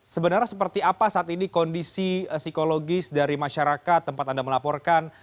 sebenarnya seperti apa saat ini kondisi psikologis dari masyarakat tempat anda melaporkan